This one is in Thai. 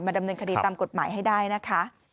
ดำเนินคดีตามกฎหมายให้ได้นะคะ